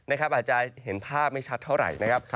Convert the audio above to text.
อาจจะเห็นภาพไม่ชัดเท่าไหร่นะครับ